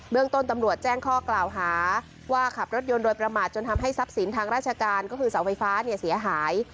เรื่องต้นตำรวจแจ้งข้อกล่าวหาว่าขับรถยนต์โดยประมาทจนทำให้ทรัพย์สินทางราชการก็คือเสาไฟฟ้าเนี่ยเสียหาย